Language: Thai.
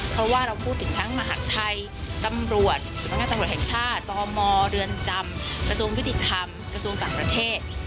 เพราะว่าเราพูดถึงทั้งมหาดไทยตำรวจสำนักงานตำรวจแห่งชาติตมเรือนจำกระทรวงยุติธรรมกระทรวงต่างประเทศ